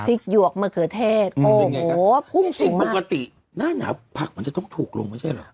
พริกหยวกมะเขือเทศโอ้โหพุ่งสูงมากจริงจริงปกติหน้าหนาวผักมันจะต้องถูกลงไม่ใช่เหรอ